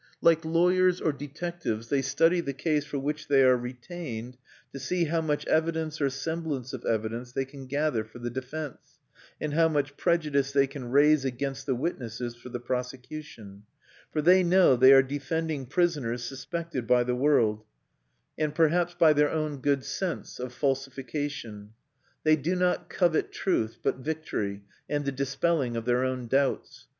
Like lawyers or detectives, they study the case for which they are retained, to see how much evidence or semblance of evidence they can gather for the defence, and how much prejudice they can raise against the witnesses for the prosecution; for they know they are defending prisoners suspected by the world, and perhaps by their own good sense, of falsification. They do not covet truth, but victory and the dispelling of their own doubts.